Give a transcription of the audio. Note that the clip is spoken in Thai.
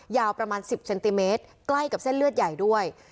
ยาวประมาณ๑๐เซนติเมตรใกล้กับเส้นเลือดใหญ่ด้วย